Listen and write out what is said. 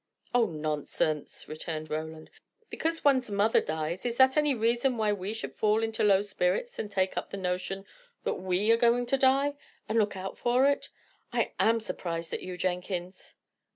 "Oh, nonsense!" returned Roland. "Because one's mother dies, is that any reason why we should fall into low spirits and take up the notion that we are going to die, and look out for it? I am surprised at you, Jenkins."